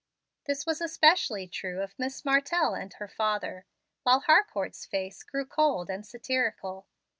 This was especially true of Miss Martell and her father, while Harcourt's face grew cold and satirical.